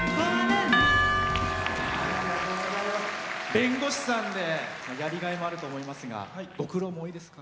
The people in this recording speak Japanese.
弁護士さんでやりがいもあると思いますがご苦労も多いですか？